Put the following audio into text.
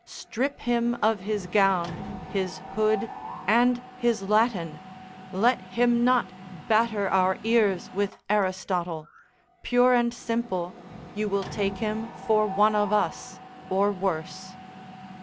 Strip him of his gown, his hood, and his Latin, let him not batter our ears with Aristotle, pure and simple, you will take him for one of us, or worse.